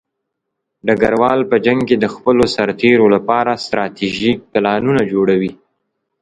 ډګروال په جنګ کې د خپلو سرتېرو لپاره ستراتیژیک پلانونه جوړوي.